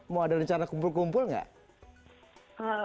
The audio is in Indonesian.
mau ada rencana kumpul kumpul nggak